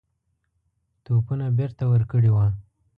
توپونه بیرته ورکړي وه.